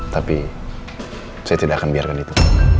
tapi saya tidak akan biarkan itu